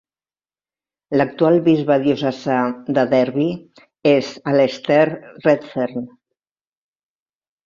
L'actual bisbe diocesà de Derby és Alastair Redfern.